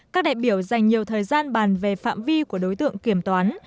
các đại biểu dành nhiều thời gian bàn về phạm vi của đối tượng kiểm toán